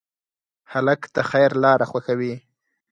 هلک د خیر لاره خوښوي.